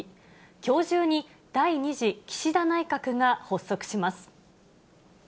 きょう中に第２次岸田内閣が発足します。